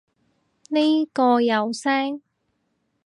呢個有聲